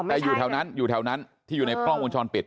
แต่อยู่แถวนั้นว่าที่อยู่บ้าง